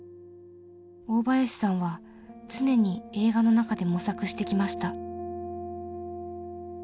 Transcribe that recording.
大林さんは常に映画の中で模索してきました。